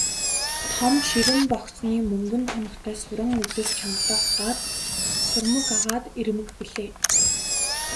Том ширэн богцны мөнгөн тоногтой суран үдээс чангалах гар сурмаг агаад эрмэг билээ.